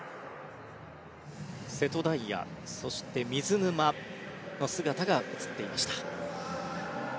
瀬戸大也、そして水沼の姿が映っていました。